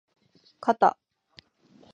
かた